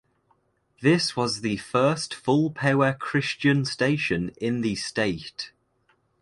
This was the first full power Christian station in the state.